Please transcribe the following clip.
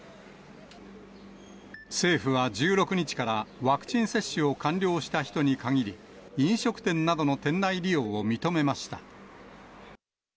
政府は１６日からワクチン接種を完了した人に限り、飲食店などの店内利用を認めました。